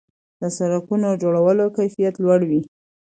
د سړکونو جوړولو کیفیت لوړ وي.